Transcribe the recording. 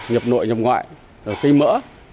nhập nội nhập ngoại cây mỡ